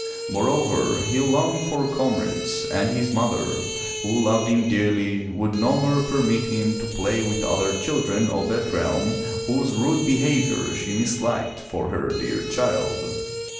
Moreover, he longed for comrades, and his mother, who loved him dearly, would no more permit him to play with other children of that realm, whose rude behavior she misliked for her dear child.